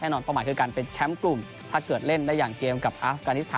นอนเป้าหมายคือการเป็นแชมป์กลุ่มถ้าเกิดเล่นได้อย่างเกมกับอาฟกานิสถาน